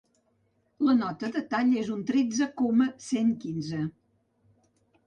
La nota de tall és un tretze coma cent quinze.